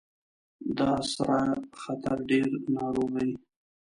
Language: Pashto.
دا سره خطر ډیر ناروغۍ